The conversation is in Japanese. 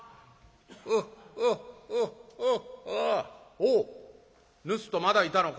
「おおぬすっとまだいたのか」。